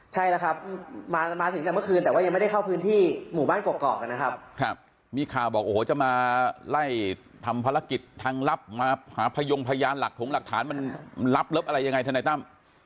ใช่แล้วครับมาถึงแต่เมื่อคืนแต่ว่ายังไม่ได้เข้าพื้นที่หมู่บ้านกรอกนะครับมีข่าวบอกโอ้โหจะมาไล่ทำภารกิจทางลับมาหาพยงพยานหลักถงหลักฐานมันลับเลิฟอะไรยังไงทนายตั้ม